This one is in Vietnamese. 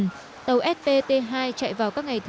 tàu spt hai chạy vào các ngày thứ hai